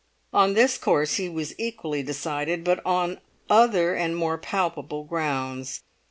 On this course he was equally decided, but on other and more palpable grounds.